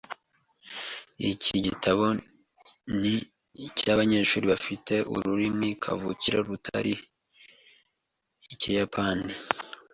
Iki gitabo ni icy'abanyeshuri bafite ururimi kavukire rutari Ikiyapani .